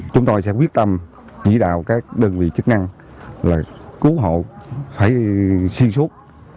chúng tôi sẽ quyết tâm chỉ đạo các đơn vị chức năng cứu hậu phải xuyên suốt